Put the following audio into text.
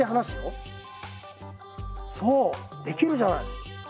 そうできるじゃない！